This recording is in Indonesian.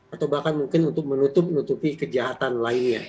atau bahkan mungkin untuk menutup nutupi kejahatan lainnya